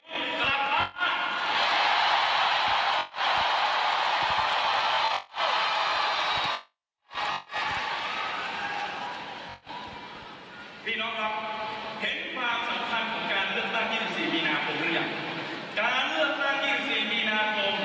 ไม่ว่าจะเป็นประกาศพศคำสั่งพศแผนปฏิรูปแผนศาสตร์รัฐธรรมนุมประสุทธิ์